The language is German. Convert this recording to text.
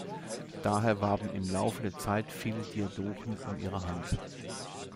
Daher warben im Laufe der Zeit viele Diadochen um ihre Hand.